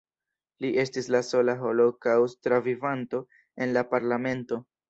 Li estis la sola holokaŭst-travivanto en la parlamento.